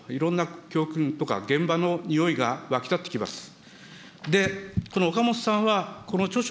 大変、中、読むと、いろんな教訓とか現場のにおいがわき立ってきます。